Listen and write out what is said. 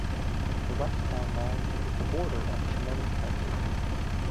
The west town line is the border of Chemung County.